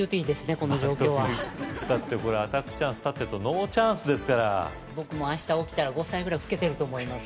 この状況はだってこれアタックチャンス立ってるとノーチャンスですから僕も明日起きたら５歳ぐらい老けてると思います